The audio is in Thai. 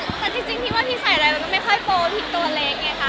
แต่จริงที่มีใส่อะไรไม่ค่อยโปรภิกตัวเล็กไงคะ